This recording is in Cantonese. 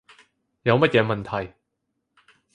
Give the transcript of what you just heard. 有乜嘢問題